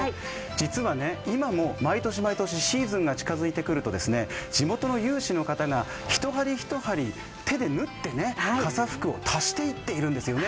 実は今も毎年毎年シーズンが近づいてくると地元の有志の方が一針一針手で縫って傘福を足していっているんですよね。